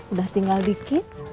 udah tinggal dikit